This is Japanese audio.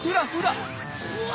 うわ！